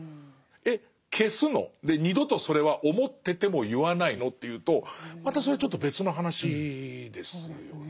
「えっ消すの？で二度とそれは思ってても言わないの？」っていうとまたそれちょっと別の話ですよね。